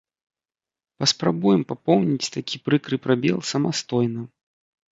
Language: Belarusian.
Паспрабуем папоўніць такі прыкры прабел самастойна.